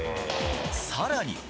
さらに。